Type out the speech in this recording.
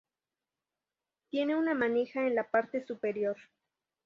Tiene una manija en la parte superior.